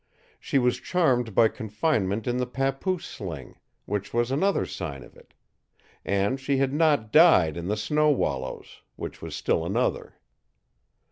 She was charmed by confinement in the papoose sling, which was another sign of it; and she had not died in the snow wallows which was still another.